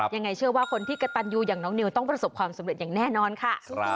ยังไงเชื่อว่าคนที่กระตันยูอย่างน้องนิวต้องประสบความสำเร็จอย่างแน่นอนค่ะ